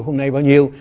hôm nay bao nhiêu